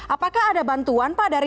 apakah ada bantuan pak dari